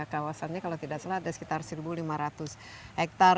kawasannya kalau tidak salah ada sekitar satu lima ratus hektare